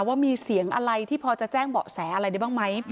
ว่ามีเสียงอะไรที่พอจะแจ้งเบาะแสอะไรได้บ้างไหม